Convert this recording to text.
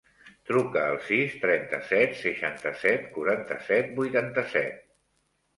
Truca al sis, trenta-set, seixanta-set, quaranta-set, vuitanta-set.